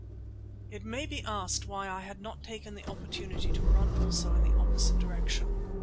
It may be asked why I had not taken the opportunity to run also in the opposite direction.